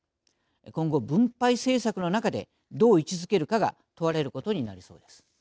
今後、分配政策の中でどう位置づけるかが問われることになりそうです。